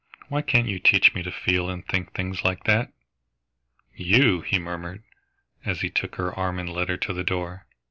Why can't you teach me to feel and think things like that?" "You!" he murmured, as he took her arm and led her to the door.